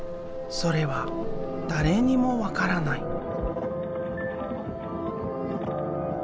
それは誰にも分からない。